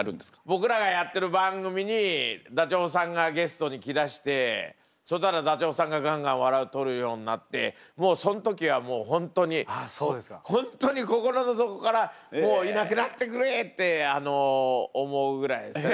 僕らがやってる番組にダチョウさんがゲストに来だしてそしたらダチョウさんがガンガン笑いを取るようになってもうその時はもう本当に本当に心の底から「もういなくなってくれ」って思うぐらいでしたね。